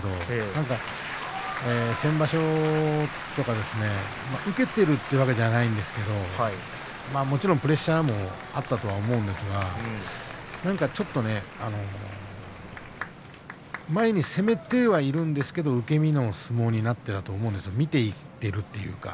なにか、先場所は受けているっていうわけじゃないんですけれどももちろんプレッシャーもあったと思うんですが前に攻めてはいるんですが受け身の相撲になっていたと思うんです、見ているというか。